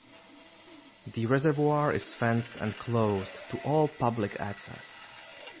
The reservoir is fenced and closed to all public access.